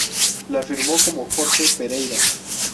La firmó como Jorge Pereyra.